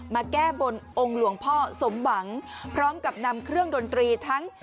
มาแก้บนองค์หลวงพ่อสมหวังพร้อมกับนำเครื่องดนตรีทั้ง